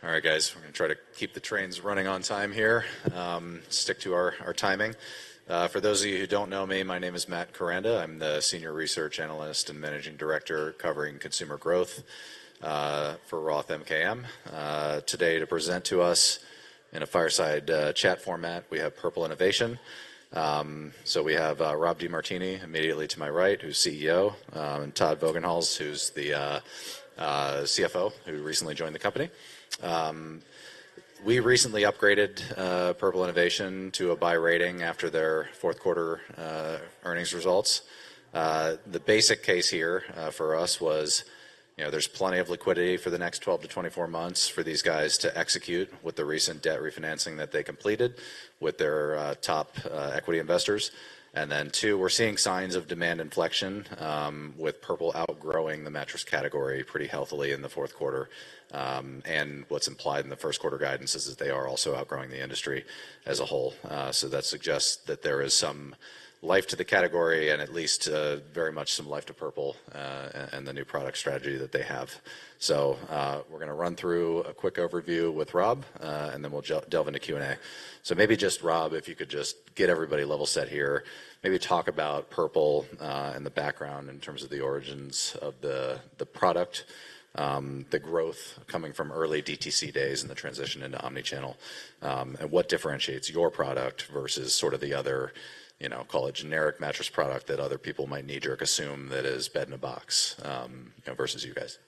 All right, guys, we're gonna try to keep the trains running on time here, stick to our, our timing. For those of you who don't know me, my name is Matt Koranda. I'm the senior research analyst and managing director covering consumer growth, for Roth MKM. Today, to present to us in a fireside chat format, we have Purple Innovation. So we have, Rob DeMartini immediately to my right, who's CEO, and Todd Vogensen, who's the CFO, who recently joined the company. We recently upgraded, Purple Innovation to a buy rating after their Q4, earnings results. The basic case here for us was, you know, there's plenty of liquidity for the next 12-24 months for these guys to execute with the recent debt refinancing that they completed with their top equity investors. And then two, we're seeing signs of demand inflection with Purple outgrowing the mattress category pretty healthily in the Q4. And what's implied in the Q1 guidance is that they are also outgrowing the industry as a whole. So that suggests that there is some life to the category and at least very much some life to Purple and the new product strategy that they have. So we're gonna run through a quick overview with Rob and then we'll delve into Q&A. So maybe just, Rob, if you could just get everybody level set here, maybe talk about Purple, and the background in terms of the origins of the, the product, the growth coming from early DTC days and the transition into omni-channel. And what differentiates your product versus sort of the other, you know, call it generic mattress product that other people might knee-jerk assume that is bed-in-a-box, you know, versus you guys.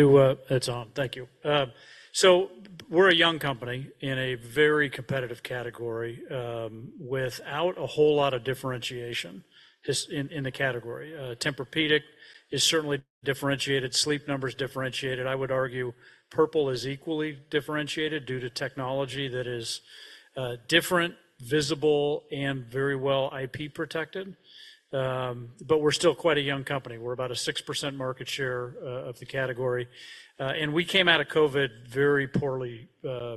It's on. Thank you. So we're a young company in a very competitive category, without a whole lot of differentiation, just in the category. Tempur-Pedic is certainly differentiated. Sleep Number's differentiated. I would argue Purple is equally differentiated due to technology that is different, visible, and very well IP protected. But we're still quite a young company. We're about a 6% market share of the category, and we came out of COVID very poorly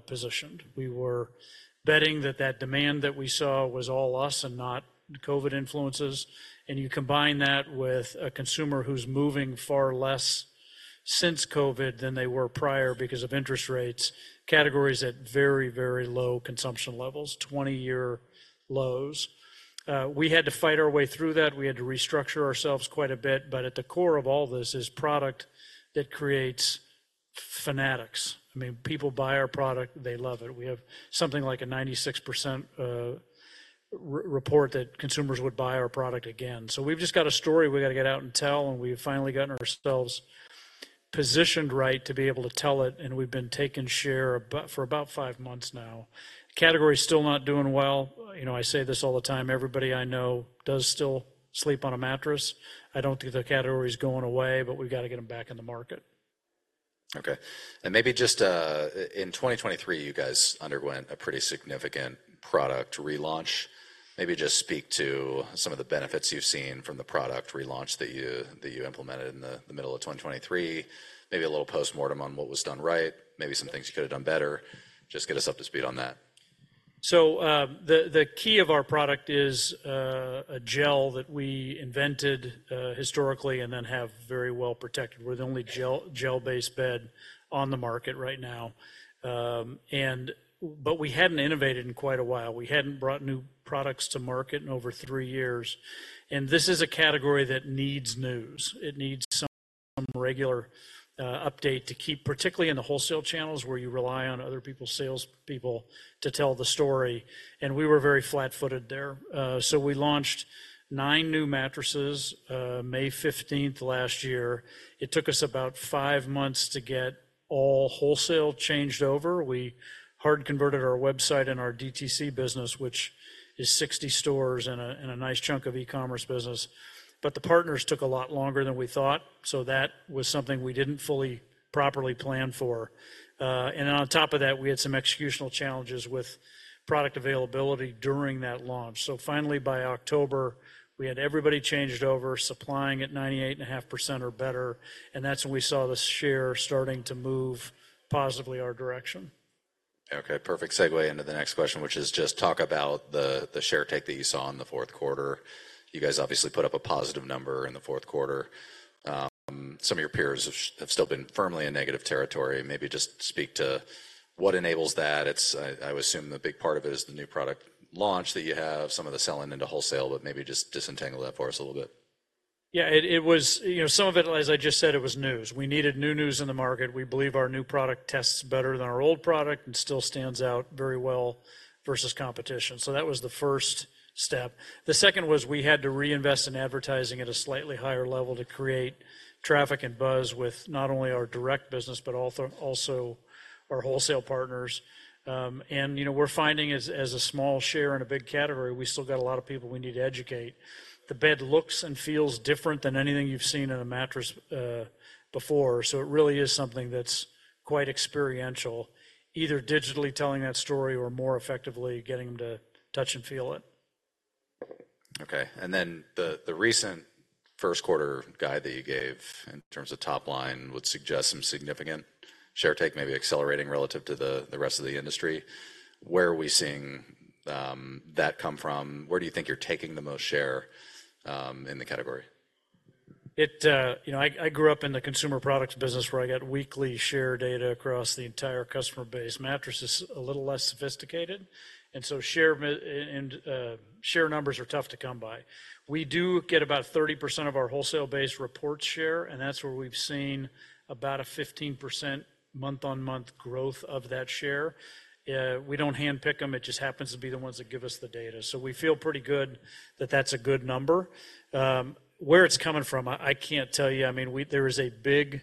positioned. We were betting that that demand that we saw was all us and not COVID influences, and you combine that with a consumer who's moving far less since COVID than they were prior because of interest rates, category's at very, very low consumption levels, 20-year lows. We had to fight our way through that. We had to restructure ourselves quite a bit, but at the core of all this is product that creates fanatics. I mean, people buy our product, they love it. We have something like a 96% report that consumers would buy our product again. So we've just got a story we've got to get out and tell, and we've finally gotten ourselves positioned right to be able to tell it, and we've been taking share about, for about 5 months now. Category's still not doing well. You know, I say this all the time: everybody I know does still sleep on a mattress. I don't think the category is going away, but we've got to get them back in the market. Okay, and maybe just in 2023, you guys underwent a pretty significant product relaunch. Maybe just speak to some of the benefits you've seen from the product relaunch that you implemented in the middle of 2023. Maybe a little postmortem on what was done right, maybe some things you could have done better. Just get us up to speed on that. So, the key of our product is a gel that we invented historically and then have very well protected. We're the only gel, gel-based bed on the market right now. But we hadn't innovated in quite a while. We hadn't brought new products to market in over 3 years, and this is a category that needs news. It needs some regular update to keep, particularly in the wholesale channels, where you rely on other people's sales people to tell the story, and we were very flat-footed there. So we launched 9 new mattresses May 15th last year. It took us about 5 months to get all wholesale changed over. We hard converted our website and our DTC business, which is 60 stores and a nice chunk of e-commerce business. The partners took a lot longer than we thought, so that was something we didn't fully, properly plan for. On top of that, we had some executional challenges with product availability during that launch. Finally, by October, we had everybody changed over, supplying at 98.5% or better, and that's when we saw the share starting to move positively our direction. Okay, perfect segue into the next question, which is just talk about the share take that you saw in the Q4. You guys obviously put up a positive number in the Q4. Some of your peers have still been firmly in negative territory. Maybe just speak to what enables that. It's I would assume a big part of it is the new product launch, that you have some of the selling into wholesale, but maybe just disentangle that for us a little bit. Yeah, it, it was... You know, some of it, as I just said, it was news. We needed new news in the market. We believe our new product tests better than our old product and still stands out very well versus competition, so that was the first step. The second was we had to reinvest in advertising at a slightly higher level to create traffic and buzz with not only our direct business, but also our wholesale partners. And, you know, we're finding as a small share in a big category, we still got a lot of people we need to educate. The bed looks and feels different than anything you've seen in a mattress before. So it really is something that's quite experiential, either digitally telling that story or more effectively getting them to touch and feel it. Okay, and then the recent Q1 guide that you gave in terms of top line would suggest some significant share take, maybe accelerating relative to the rest of the industry. Where are we seeing that come from? Where do you think you're taking the most share in the category?... It, you know, I grew up in the consumer products business, where I got weekly share data across the entire customer base. Mattress is a little less sophisticated, and so share numbers are tough to come by. We do get about 30% of our wholesale base report share, and that's where we've seen about a 15% month-on-month growth of that share. We don't handpick them; it just happens to be the ones that give us the data. So we feel pretty good that that's a good number. Where it's coming from, I can't tell you. I mean, there is a big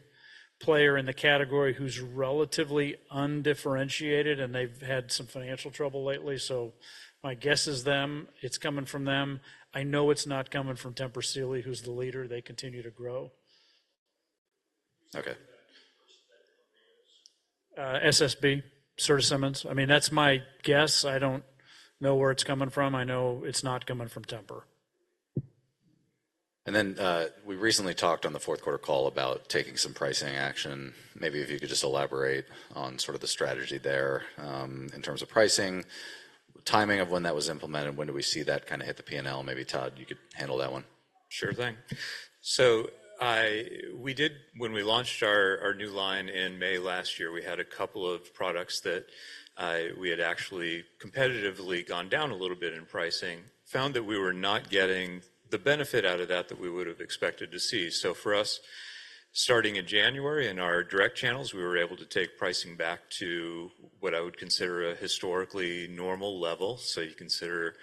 player in the category who's relatively undifferentiated, and they've had some financial trouble lately, so my guess is them. It's coming from them. I know it's not coming from Tempur Sealy, who's the leader. They continue to grow. Okay.... SSB, Serta Simmons. I mean, that's my guess. I don't know where it's coming from. I know it's not coming from Tempur. Then, we recently talked on the Q4 call about taking some pricing action. Maybe if you could just elaborate on sort of the strategy there, in terms of pricing, timing of when that was implemented, when do we see that kind of hit the P&L? Maybe, Todd, you could handle that one. Sure thing. When we launched our new line in May last year, we had a couple of products that we had actually competitively gone down a little bit in pricing, found that we were not getting the benefit out of that that we would have expected to see. So for us, starting in January, in our direct channels, we were able to take pricing back to what I would consider a historically normal level. So you consider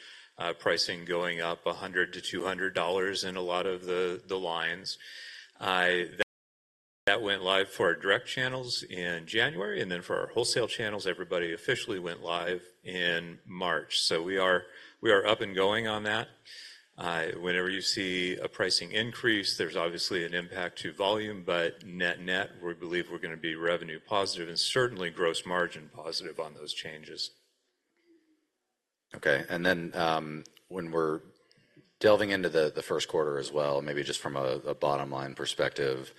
pricing going up $100-$200 in a lot of the lines. That went live for our direct channels in January, and then for our wholesale channels, everybody officially went live in March. So we are up and going on that. Whenever you see a pricing increase, there's obviously an impact to volume, but net-net, we believe we're gonna be revenue positive and certainly gross margin positive on those changes. Okay, and then, when we're delving into the Q1 as well, maybe just from a bottom-line perspective,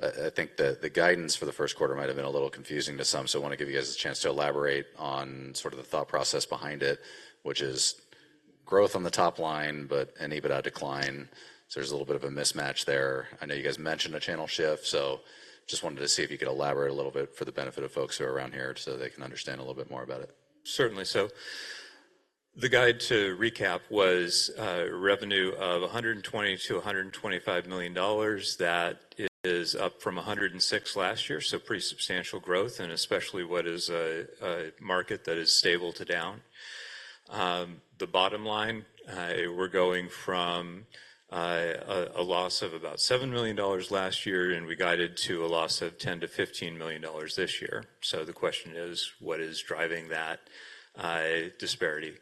I think the guidance for the Q1 might have been a little confusing to some. So I want to give you guys a chance to elaborate on sort of the thought process behind it, which is growth on the top line, but an EBITDA decline, so there's a little bit of a mismatch there. I know you guys mentioned a channel shift, so just wanted to see if you could elaborate a little bit for the benefit of folks who are around here so they can understand a little bit more about it. Certainly. So the guide, to recap, was revenue of $100-125 million. That is up from $106 million last year, so pretty substantial growth, and especially what is a market that is stable to down. The bottom line, we're going from a loss of about $7 million last year, and we guided to a loss of $10-15 million this year. So the question is: What is driving that disparity?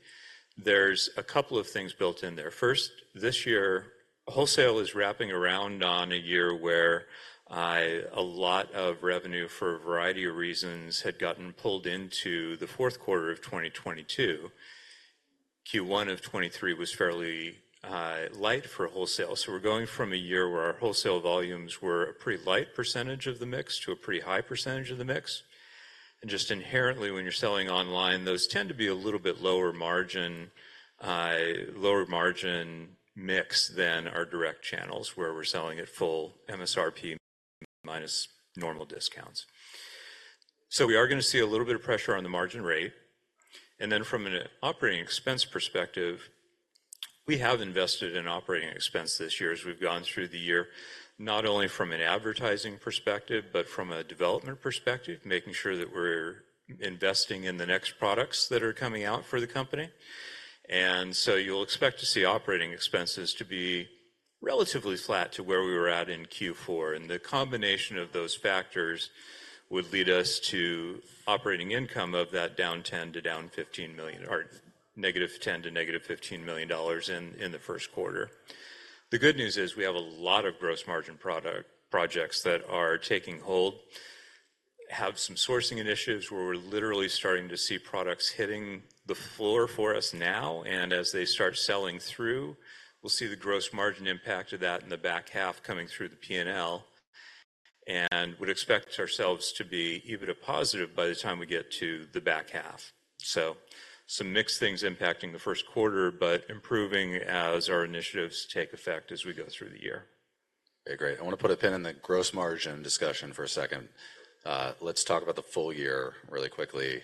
There's a couple of things built in there. First, this year, wholesale is wrapping around on a year where a lot of revenue, for a variety of reasons, had gotten pulled into the Q4 of 2022. Q1 of 2023 was fairly light for wholesale, so we're going from a year where our wholesale volumes were a pretty light percentage of the mix to a pretty high percentage of the mix. And just inherently, when you're selling online, those tend to be a little bit lower margin lower margin mix than our direct channels, where we're selling at full MSRP minus normal discounts. So we are gonna see a little bit of pressure on the margin rate, and then from an operating expense perspective, we have invested in operating expense this year as we've gone through the year, not only from an advertising perspective, but from a development perspective, making sure that we're investing in the next products that are coming out for the company. So you'll expect to see operating expenses to be relatively flat to where we were at in Q4, and the combination of those factors would lead us to operating income of that down $10 million to down $15 million, or -$10 million to -$15 million in the Q1. The good news is we have a lot of gross margin product, projects that are taking hold, have some sourcing initiatives where we're literally starting to see products hitting the floor for us now, and as they start selling through, we'll see the gross margin impact of that in the back half coming through the PNL, and would expect ourselves to be EBITDA positive by the time we get to the back half. So some mixed things impacting the Q1, but improving as our initiatives take effect as we go through the year. Okay, great. I want to put a pin in the gross margin discussion for a second. Let's talk about the full year really quickly.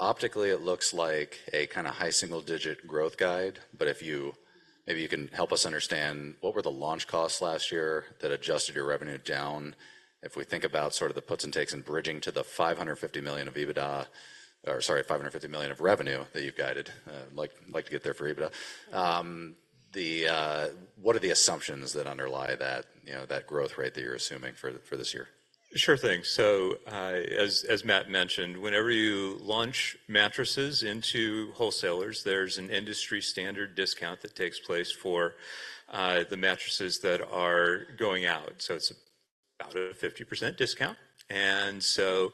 Optically, it looks like a kind of high single-digit growth guide, but if you... maybe you can help us understand what were the launch costs last year that adjusted your revenue down? If we think about sort of the puts and takes in bridging to the $550 million of EBITDA, or sorry, $550 million of revenue that you've guided, like to get there for EBITDA. What are the assumptions that underlie that, you know, that growth rate that you're assuming for this year? Sure thing. So, as Matt mentioned, whenever you launch mattresses into wholesalers, there's an industry-standard discount that takes place for the mattresses that are going out, so it's about a 50% discount. And so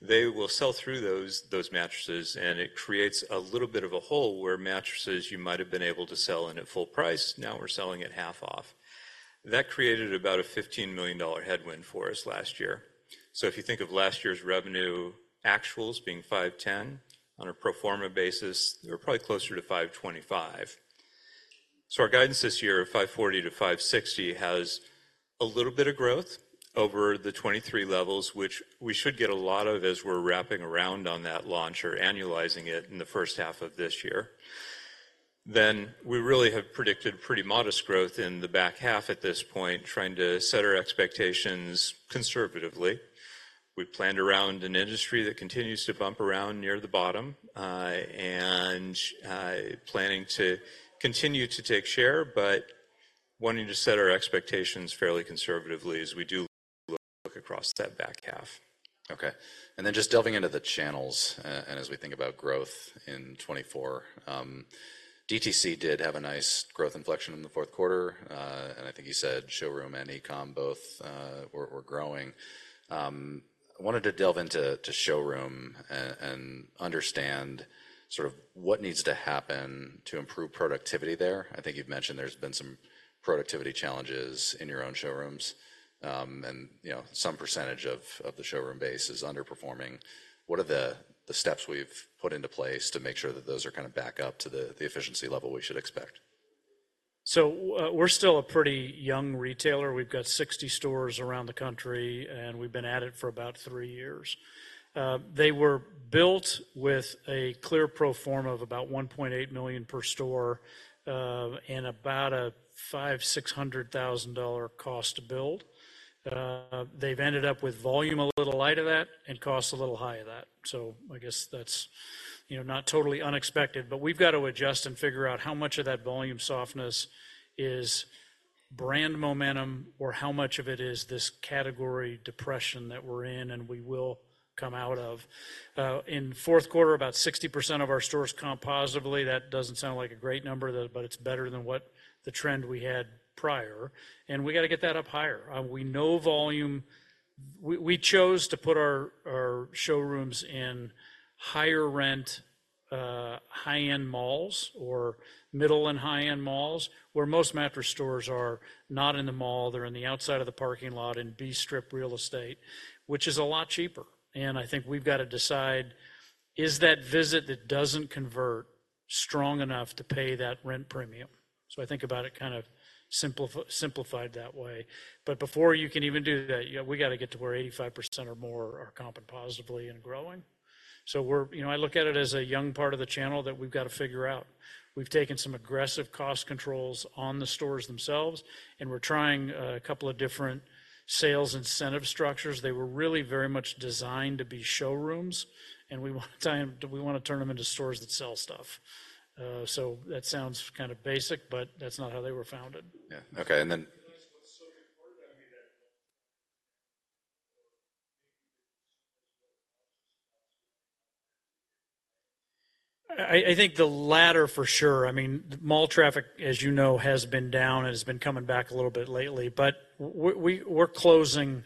they will sell through those mattresses, and it creates a little bit of a hole where mattresses you might have been able to sell in at full price, now we're selling at half off. That created about a $15 million headwind for us last year. So if you think of last year's revenue actuals being $510, on a pro forma basis, they were probably closer to $525.... So our guidance this year of $540-$560 has a little bit of growth over the 2023 levels, which we should get a lot of as we're wrapping around on that launch or annualizing it in the first half of this year. Then, we really have predicted pretty modest growth in the back half at this point, trying to set our expectations conservatively. We've planned around an industry that continues to bump around near the bottom, and planning to continue to take share, but wanting to set our expectations fairly conservatively as we do look across that back half. Okay. And then just delving into the channels, and as we think about growth in 2024, DTC did have a nice growth inflection in the Q4, and I think you said showroom and e-com both were growing. I wanted to delve into showroom and understand sort of what needs to happen to improve productivity there. I think you've mentioned there's been some productivity challenges in your own showrooms. And, you know, some percentage of the showroom base is underperforming. What are the steps we've put into place to make sure that those are kinda back up to the efficiency level we should expect? So, we're still a pretty young retailer. We've got 60 stores around the country, and we've been at it for about 3 years. They were built with a clear pro forma of about $1.8 million per store, and about a $500,000-600,000 cost to build. They've ended up with volume a little light of that and cost a little high of that. So I guess that's, you know, not totally unexpected, but we've got to adjust and figure out how much of that volume softness is brand momentum, or how much of it is this category depression that we're in and we will come out of. In Q4, about 60% of our stores comp positively. That doesn't sound like a great number, though, but it's better than what the trend we had prior, and we gotta get that up higher. We know volume. We chose to put our showrooms in higher rent, high-end malls or middle and high-end malls, where most mattress stores are not in the mall. They're on the outside of the parking lot in B strip real estate, which is a lot cheaper, and I think we've got to decide, is that visit that doesn't convert strong enough to pay that rent premium? So I think about it kind of simplified that way. But before you can even do that, yeah, we gotta get to where 85% or more are comping positively and growing. So we're. You know, I look at it as a young part of the channel that we've got to figure out. We've taken some aggressive cost controls on the stores themselves, and we're trying a couple of different sales incentive structures. They were really very much designed to be showrooms, and we wanna turn them into stores that sell stuff. So that sounds kind of basic, but that's not how they were founded. Yeah. Okay, and then- Can I ask what's so important? I mean, that... I think the latter for sure. I mean, mall traffic, as you know, has been down and has been coming back a little bit lately, but we're closing...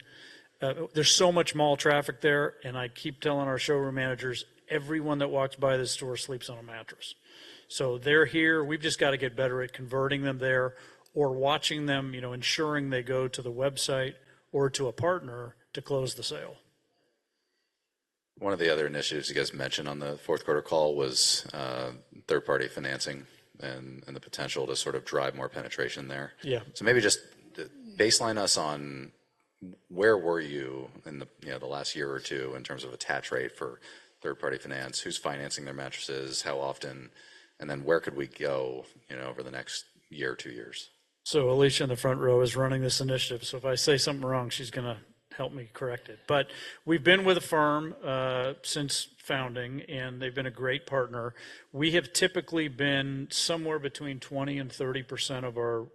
There's so much mall traffic there, and I keep telling our showroom managers, "Everyone that walks by the store sleeps on a mattress." So they're here, we've just got to get better at converting them there or watching them, you know, ensuring they go to the website or to a partner to close the sale. One of the other initiatives you guys mentioned on the Q4 call was third-party financing and the potential to sort of drive more penetration there. Yeah. So maybe just baseline us on where were you in the, you know, the last year or two in terms of attach rate for third-party finance, who's financing their mattresses, how often, and then where could we go, you know, over the next year or two years? So Alicia in the front row is running this initiative, so if I say something wrong, she's gonna help me correct it. But we've been with Affirm, since founding, and they've been a great partner. We have typically been somewhere between 20% and 30% of our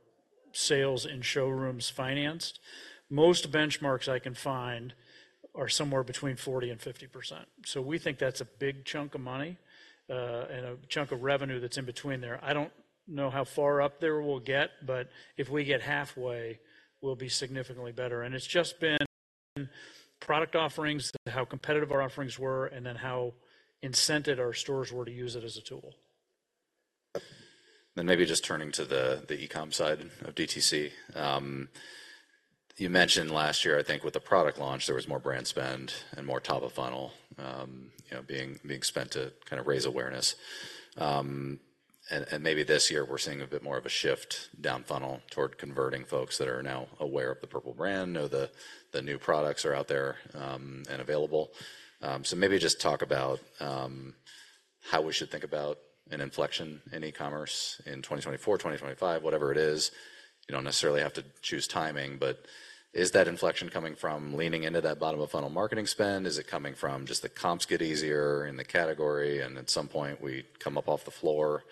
sales in showrooms financed. Most benchmarks I can find are somewhere between 40% and 50%. So we think that's a big chunk of money, and a chunk of revenue that's in between there. I don't know how far up there we'll get, but if we get halfway, we'll be significantly better. And it's just product offerings, how competitive our offerings were, and then how incented our stores were to use it as a tool. Then maybe just turning to the e-com side of DTC. You mentioned last year, I think with the product launch, there was more brand spend and more top of funnel, you know, being spent to kind of raise awareness. And maybe this year we're seeing a bit more of a shift down funnel toward converting folks that are now aware of the Purple brand, know the new products are out there, and available. So maybe just talk about how we should think about an inflection in e-commerce in 2024, 2025, whatever it is. You don't necessarily have to choose timing, but is that inflection coming from leaning into that bottom of funnel marketing spend? Is it coming from just the comps get easier in the category, and at some point, we come up off the floor?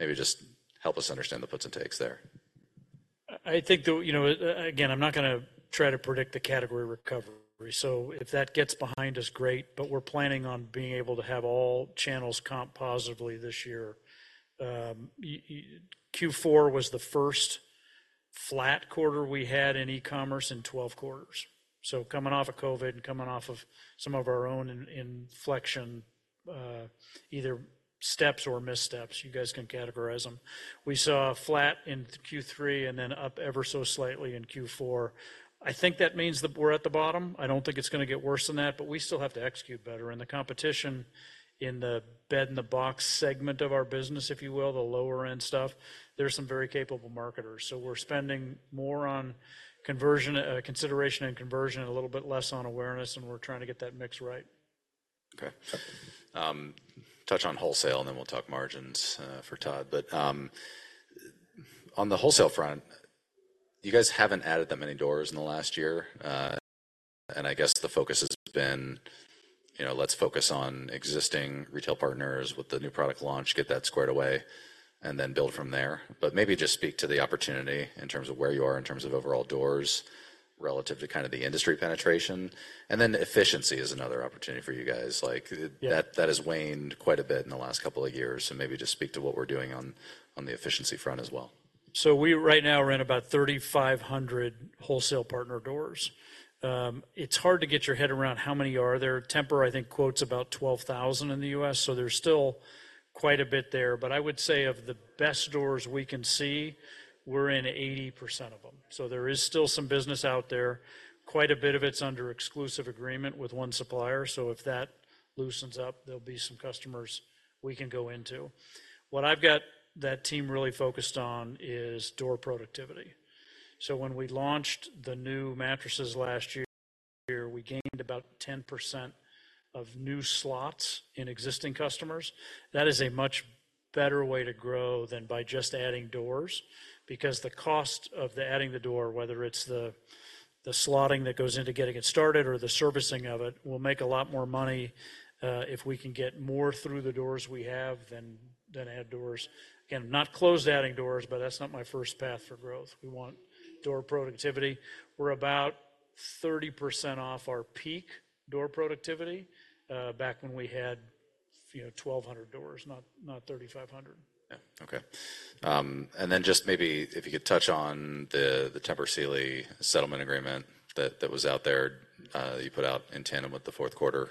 Maybe just help us understand the puts and takes there. I think the, you know, again, I'm not gonna try to predict the category recovery, so if that gets behind us, great, but we're planning on being able to have all channels comp positively this year. Q4 was the first flat quarter we had in e-commerce in 12 quarters. So coming off of COVID and coming off of some of our own inflection, either steps or missteps, you guys can categorize them. We saw flat in Q3, and then up ever so slightly in Q4. I think that means that we're at the bottom. I don't think it's gonna get worse than that, but we still have to execute better, and the competition in the bed-in-a-box segment of our business, if you will, the lower-end stuff, there are some very capable marketers. We're spending more on conversion, consideration and conversion, and a little bit less on awareness, and we're trying to get that mix right. Okay. Touch on wholesale, and then we'll talk margins for Todd. But on the wholesale front, you guys haven't added that many doors in the last year, and I guess the focus has been, you know, let's focus on existing retail partners with the new product launch, get that squared away, and then build from there. But maybe just speak to the opportunity in terms of where you are, in terms of overall doors relative to kind of the industry penetration. And then efficiency is another opportunity for you guys, like- Yeah... that has waned quite a bit in the last couple of years. So maybe just speak to what we're doing on the efficiency front as well. So we right now are in about 3,500 wholesale partner doors. It's hard to get your head around how many are there. Tempur, I think, quotes about 12,000 in the U.S., so there's still quite a bit there. But I would say of the best doors we can see, we're in 80% of them. So there is still some business out there. Quite a bit of it's under exclusive agreement with one supplier, so if that loosens up, there'll be some customers we can go into. What I've got that team really focused on is door productivity. So when we launched the new mattresses last year, we gained about 10% of new slots in existing customers. That is a much better way to grow than by just adding doors, because the cost of adding the door, whether it's the slotting that goes into getting it started or the servicing of it, will make a lot more money if we can get more through the doors we have than add doors. Again, not closed adding doors, but that's not my first path for growth. We want door productivity. We're about 30% off our peak door productivity back when we had, you know, 1,200 doors, not 3,500. Yeah. Okay. And then just maybe if you could touch on the Tempur Sealy settlement agreement that was out there, you put out in tandem with the Q4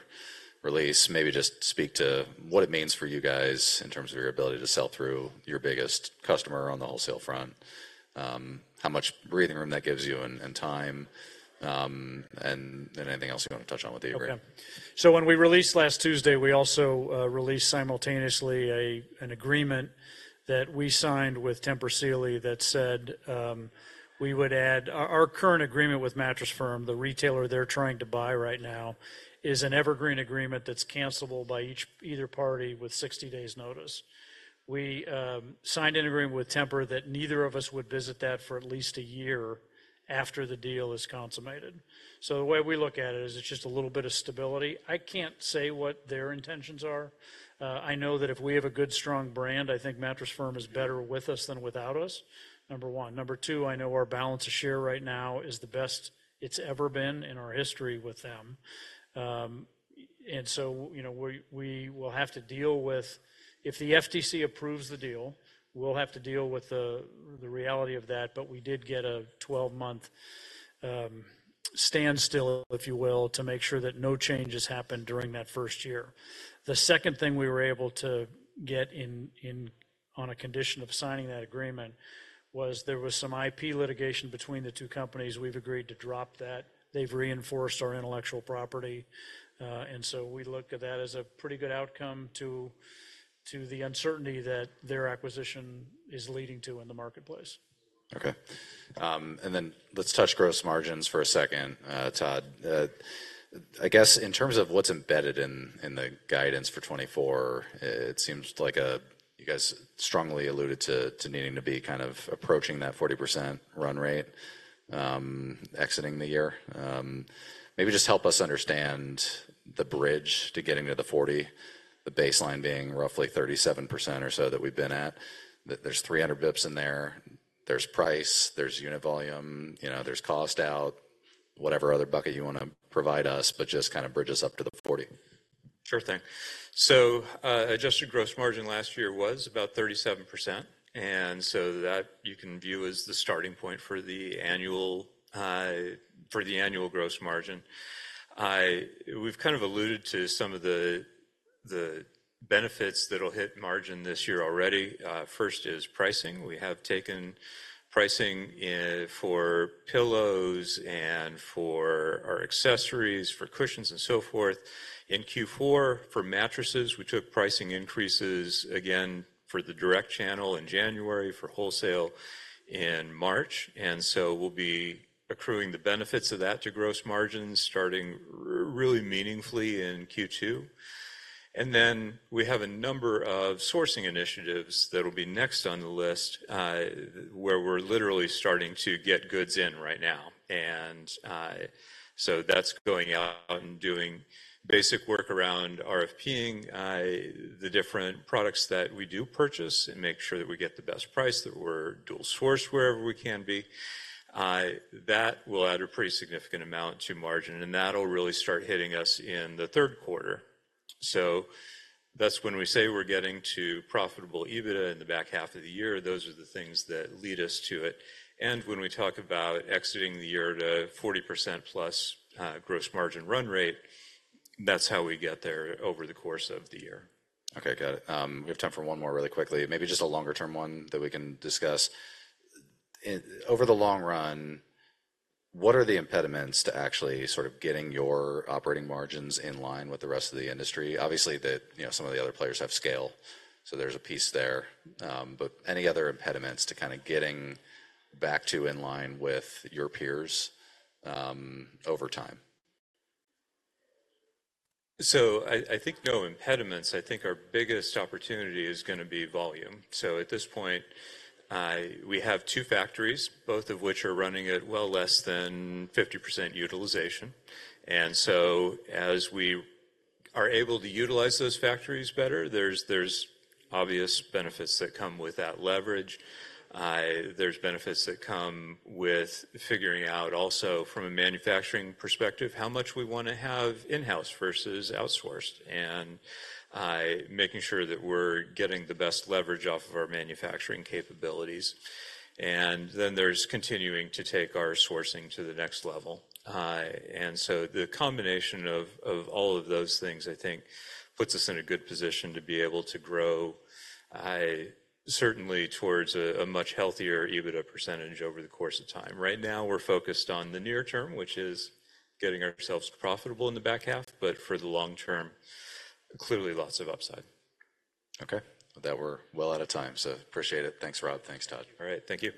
release. Maybe just speak to what it means for you guys in terms of your ability to sell through your biggest customer on the wholesale front, how much breathing room that gives you and time, and anything else you want to touch on with the agreement. Okay. So when we released last Tuesday, we also released simultaneously an agreement that we signed with Tempur Sealy that said, Our current agreement with Mattress Firm, the retailer they're trying to buy right now, is an evergreen agreement that's cancelable by either party with 60 days' notice. We signed an agreement with Tempur that neither of us would visit that for at least a year after the deal is consummated. So the way we look at it is it's just a little bit of stability. I can't say what their intentions are. I know that if we have a good, strong brand, I think Mattress Firm is better with us than without us, number one. Number two, I know our balance of share right now is the best it's ever been in our history with them. And so, you know, we, we will have to deal with—if the FTC approves the deal, we'll have to deal with the, the reality of that, but we did get a 12-month standstill, if you will, to make sure that no changes happened during that first year. The second thing we were able to get in on a condition of signing that agreement was there was some IP litigation between the two companies. We've agreed to drop that. They've reinforced our intellectual property, and so we look at that as a pretty good outcome to the uncertainty that their acquisition is leading to in the marketplace. Okay. And then let's touch gross margins for a second, Todd. I guess in terms of what's embedded in, in the guidance for 2024, it seems like, you guys strongly alluded to, to needing to be kind of approaching that 40% run rate, exiting the year. Maybe just help us understand the bridge to getting to the 40, the baseline being roughly 37% or so that we've been at, that there's 300 basis points in there, there's price, there's unit volume, you know, there's cost out, whatever other bucket you wanna provide us, but just kind of bridge us up to the 40. Sure thing. So, adjusted gross margin last year was about 37%, and so that you can view as the starting point for the annual gross margin. We've kind of alluded to some of the benefits that will hit margin this year already. First is pricing. We have taken pricing for pillows and for our accessories, for cushions, and so forth. In Q4, for mattresses, we took pricing increases again for the direct channel in January, for wholesale in March, and so we'll be accruing the benefits of that to gross margins, starting really meaningfully in Q2. And then we have a number of sourcing initiatives that will be next on the list, where we're literally starting to get goods in right now. So that's going out and doing basic work around RFP-ing the different products that we do purchase and make sure that we get the best price, that we're dual source wherever we can be. That will add a pretty significant amount to margin, and that'll really start hitting us in the Q3. So that's when we say we're getting to profitable EBITDA in the back half of the year, those are the things that lead us to it. And when we talk about exiting the year to 40%+ gross margin run rate, that's how we get there over the course of the year. Okay, got it. We have time for one more really quickly, maybe just a longer-term one that we can discuss. In over the long run, what are the impediments to actually sort of getting your operating margins in line with the rest of the industry? Obviously, that, you know, some of the other players have scale, so there's a piece there, but any other impediments to kind of getting back to in line with your peers, over time? So I think no impediments. I think our biggest opportunity is gonna be volume. So at this point, we have two factories, both of which are running at well less than 50% utilization. And so as we are able to utilize those factories better, there's obvious benefits that come with that leverage. There's benefits that come with figuring out also from a manufacturing perspective, how much we wanna have in-house versus outsourced, and making sure that we're getting the best leverage off of our manufacturing capabilities. And then there's continuing to take our sourcing to the next level. And so the combination of all of those things, I think, puts us in a good position to be able to grow, certainly towards a much healthier EBITDA percentage over the course of time. Right now, we're focused on the near term, which is getting ourselves profitable in the back half, but for the long term, clearly, lots of upside. Okay. That we're well out of time, so appreciate it. Thanks, Rob. Thanks, Todd. All right. Thank you.